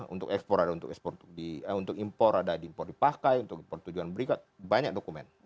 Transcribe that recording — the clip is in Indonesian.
untuk import ada di import dipakai untuk import tujuan berikut banyak dokumen